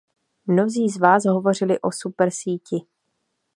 Mnozí z vás hovořili o supersíti.